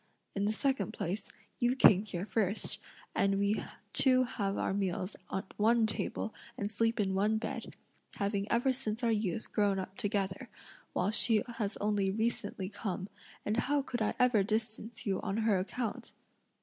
In the second place, you came here first, and we two have our meals at one table and sleep in one bed, having ever since our youth grown up together; while she has only recently come, and how could I ever distance you on her account?"